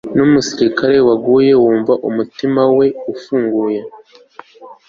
Numusirikare waguye wumva umutima we ufunguye